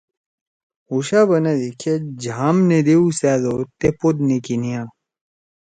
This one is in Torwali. ہُوشا بندی؛ "کھید جھام نیدؤ سأدو تے پوت نہ کِینا"